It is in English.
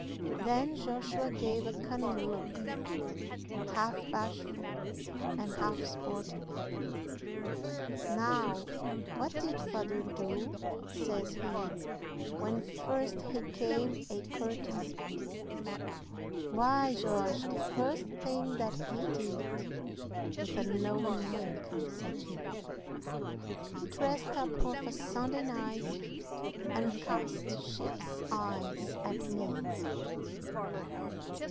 Then Joshua gave a cunning look, Half bashful and half sporting, "Now what did father do," says he, "When first he came a courting?" "Why, Josh, the first thing that he did," With a knowing wink, said she, "He dressed up of a Sunday night, And cast sheep's eyes at me."